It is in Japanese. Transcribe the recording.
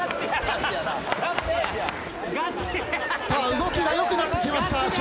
動きが良くなってきました笑